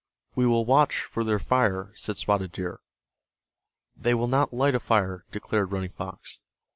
"We will watch for their fire," said Spotted Deer. "They will not light a fire," declared Running Fox.